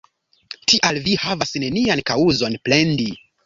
Tial vi havas nenian kaŭzon plendi.